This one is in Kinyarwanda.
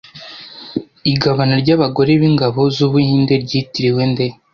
Igabana ry'abagore b'ingabo z'Ubuhinde ryitiriwe nde